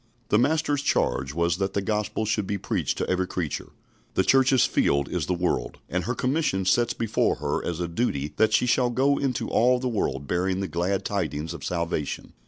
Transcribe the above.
The Master's charge was that the Gospel should be preached to every creature. The Church's field is the world, and her commission sets before her as a duty that she shall go into all the world bearing the glad tidings of salvation.